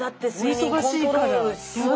お忙しいから。